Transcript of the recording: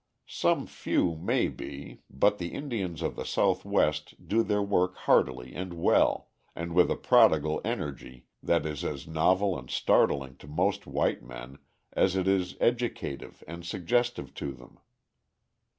Some few may be, but the Indians of the Southwest do their work heartily and well, and with a prodigal energy that is as novel and startling to most white men as it is educative and suggestive to them.